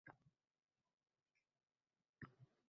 Lekin bundan oldin hikoyamning avvaliga qaytamiz